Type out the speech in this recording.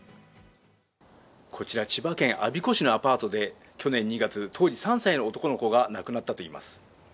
こちら、千葉県我孫子市のアパートで去年２月、当時３歳の男の子が亡くなったといいます。